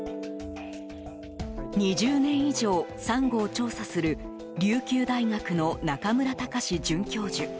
２０年以上、サンゴを調査する琉球大学の中村崇准教授。